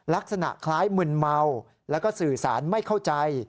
ลักษณะคล้ายมึนเมาแล้วก็สื่อสารไม่เข้าใจ